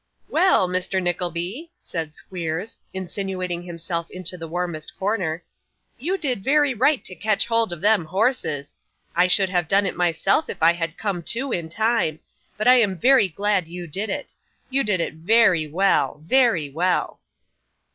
'Well, Mr. Nickleby,' said Squeers, insinuating himself into the warmest corner, 'you did very right to catch hold of them horses. I should have done it myself if I had come to in time, but I am very glad you did it. You did it very well; very well.